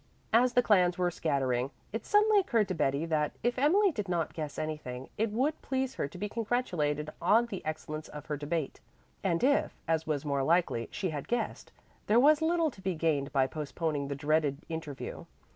As the clans were scattering, it suddenly occurred to Betty that, if Emily did not guess anything, it would please her to be congratulated on the excellence of her debate; and if, as was more likely, she had guessed, there was little to be gained by postponing the dreaded interview.